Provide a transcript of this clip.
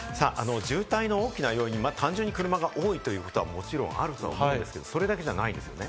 渋滞の大きな要因は単純に車が多いということはもちろんあると思うんですけど、それだけじゃないんですね。